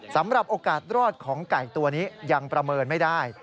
สำหรับโอกาสรอดของไก่ตัวนี้ยังประเมินไม่ได้